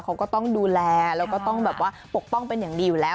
เขาก็ต้องดูแลแล้วก็ต้องแบบว่าปกป้องเป็นอย่างดีอยู่แล้ว